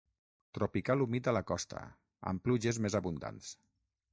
Tropical humit a la costa, amb pluges més abundants.